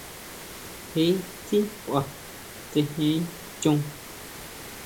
Je tsí kʼua, tsejen chon.